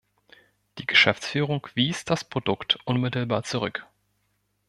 Die Geschäftsführung wies das Produkt unmittelbar zurück.